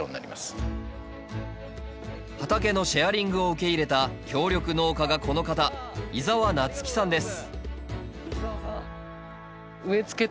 畑のシェアリングを受け入れた協力農家がこの方井沢夏樹さんです